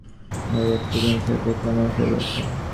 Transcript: এই একটা জিনিসেই দেখলাম মানুষের আগ্রহ আছে।